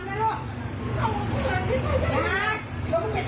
ไม่ใช่คุณอย่าทำร้ายคนอื่น